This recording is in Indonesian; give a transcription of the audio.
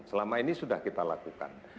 selama ini sudah kita lakukan